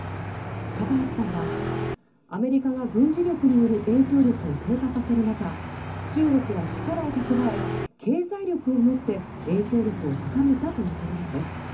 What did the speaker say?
高橋さんはアメリカが軍事力による影響力を低下させる中中国は力を蓄え経済力を持って影響力を高めたということなんです。